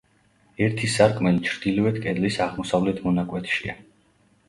ერთი სარკმელი ჩრდილოეთ კედლის აღმოსავლეთ მონაკვეთშია.